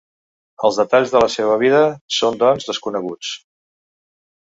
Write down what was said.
Els detalls de la seva vida són, doncs, desconeguts.